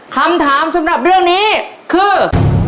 คำถามสำหรับเรื่องนี้คือ